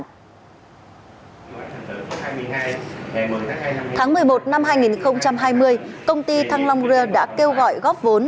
tháng một mươi một năm hai nghìn hai mươi công ty thăng long rer đã kêu gọi góp vốn